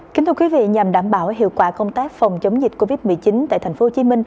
kính thưa quý vị nhằm đảm bảo hiệu quả công tác phòng chống dịch covid một mươi chín tại tp hcm